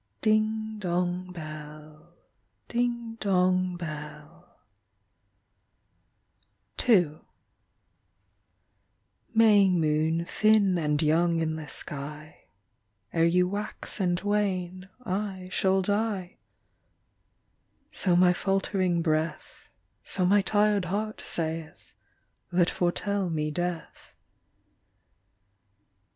Ding dong bell Ding dong bell II May moon thin and young In the sky, Ere you wax and wane I shall die: So my faltering breath, So my tired heart saith, That foretell me death.